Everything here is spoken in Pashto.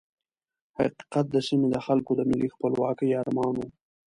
حقیقت د سیمې د خلکو د ملي خپلواکۍ ارمان وو.